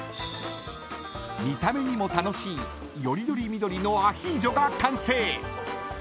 ［見た目にも楽しいよりどりみどりのアヒージョが完成］